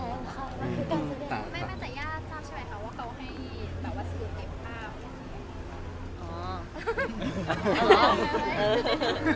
ย่าต้าทราบใช่มั้ยว่าเขาให้แบบว่าซีด์เรียกภาพ